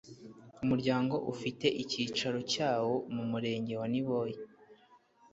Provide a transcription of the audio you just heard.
Umuryango ufite icyicaro cyawo mu murenge wa Niboye